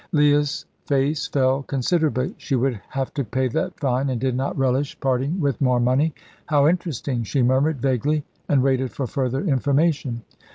Leah's face fell considerably. She would have to pay that fine, and did not relish parting with more money. "How interesting!" she murmured vaguely, and waited for further information.